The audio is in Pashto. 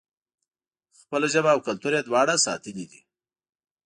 خپله ژبه او کلتور یې دواړه ساتلي دي.